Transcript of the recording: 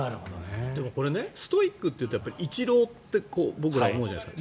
でもこれストイックというと僕らはイチローと僕らは思うじゃないですか。